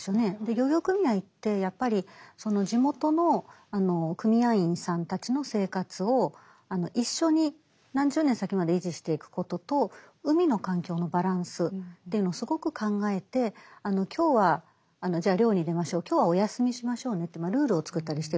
漁業組合ってやっぱりその地元の組合員さんたちの生活を一緒に何十年先まで維持していくことと海の環境のバランスというのをすごく考えて今日はじゃあ漁に出ましょう今日はお休みしましょうねってルールを作ったりしてるわけですね。